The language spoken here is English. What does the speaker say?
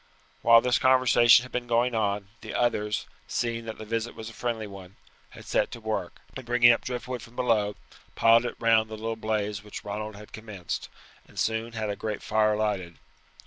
While this conversation had been going on, the others, seeing that the visit was a friendly one, had set to work, and bringing up driftwood from below, piled it round the little blaze which Ronald had commenced, and soon had a great fire lighted.